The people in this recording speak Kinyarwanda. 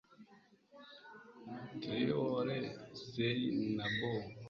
Traore Seynabou